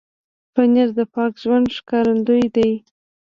پنېر د پاک ژوند ښکارندوی دی.